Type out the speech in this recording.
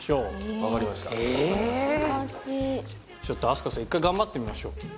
ちょっと飛鳥さん１回頑張ってみましょう。